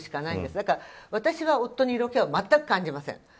だから私は夫に色気を全く感じません。